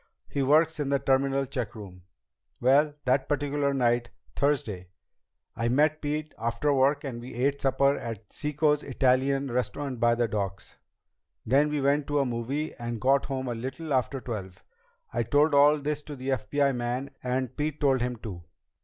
He works in the terminal checkroom. Well, that particular night, Thursday, I met Pete after work and we ate supper at Cicco's Italian restaurant down by the docks. Then we went to a movie and got home a little after twelve. I told all this to the FBI man, and Pete told him too."